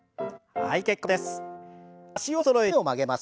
はい結構です。